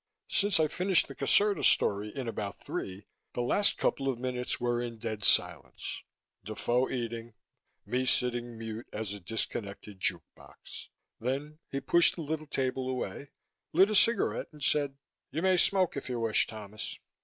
Since I finished the Caserta story in about three, the last couple of minutes were in dead silence, Defoe eating, me sitting mute as a disconnected jukebox. Then he pushed the little table away, lit a cigarette and said, "You may smoke if you wish, Thomas.